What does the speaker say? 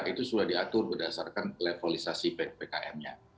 itu sudah diatur berdasarkan levelisasi ppkm nya